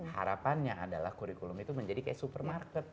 harapannya adalah kurikulum itu menjadi kayak supermarket